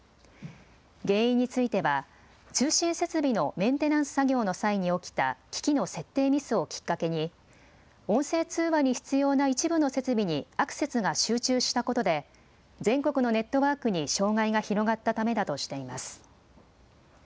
原因については通信設備のメンテナンス作業の際に起きた機器の設定ミスをきっかけに音声通話に必要な一部の設備にアクセスが集中したことで全国のネットワークに障害が広がったためだとしています。